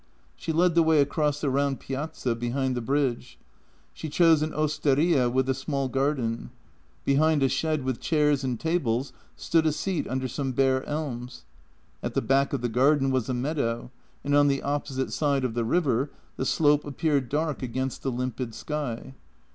She led the way across the round piazza behind the bridge. She chose an osteria with a small garden. Behind a shed with chairs and tables stood a seat under some bare elms. At the back of the garden was a meadow, and on the opposite side of the river the slope appeared dark against the limpid sky.